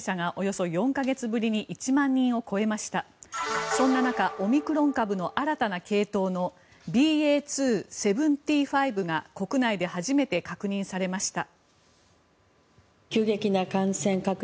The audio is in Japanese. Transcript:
そんな中、オミクロン株の新たな系統のＢＡ．２．７５が国内で初めて確認されました。